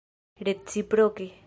reciproke